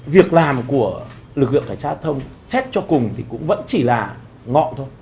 việc làm của lực lượng cảnh sát giao thông xét cho cùng thì cũng vẫn chỉ là ngọn thôi